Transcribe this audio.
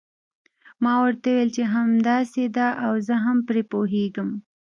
ما ورته وویل چې همداسې ده او زه هم پرې پوهیږم.